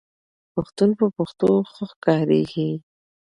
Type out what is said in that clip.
پښتون په پښتو ښه ښکاریږي